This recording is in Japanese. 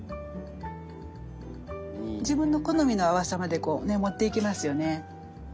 自分の好みの淡さまでこうね持っていけますよね。